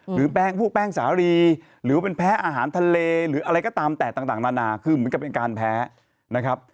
แป้งพวกแป้งสาลีหรือว่าเป็นแพ้อาหารทะเลหรืออะไรก็ตามแต่ต่างนานาคือเหมือนกับเป็นการแพ้นะครับ